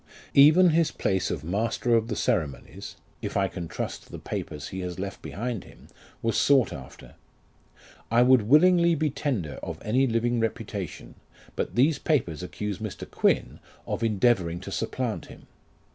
Even his place of master of the ceremonies (if I can trust the papers he has left behind him) was sought after. I would willingly be tender of any living reputation, but these papers accuse Mr. Q,uin of endeavouring to supplant him.